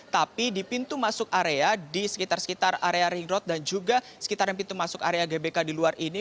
tapi di pintu masuk area di sekitar sekitar area ring road dan juga sekitaran pintu masuk area gbk di luar ini